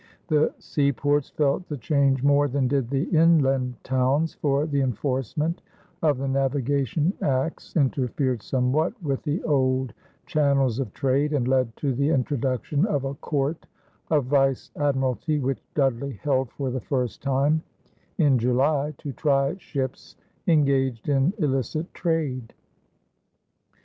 The seaports felt the change more than did the inland towns, for the enforcement of the navigation acts interfered somewhat with the old channels of trade and led to the introduction of a court of vice admiralty which Dudley held for the first time in July to try ships engaged in illicit trade.